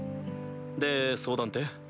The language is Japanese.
で相談って？